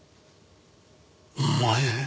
お前？